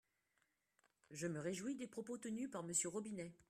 Je me réjouis des propos tenus par Monsieur Robinet.